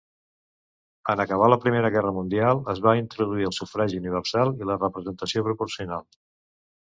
En acabar la Primera Guerra Mundial, es van introduir el sufragi universal i la representació proporcional.